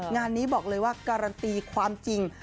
งานนี้บอกเลยว่าการันตีความจริง